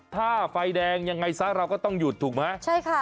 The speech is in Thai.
ถ้าไฟแดงยังไงซะเราก็ต้องหยุดถูกไหมใช่ค่ะ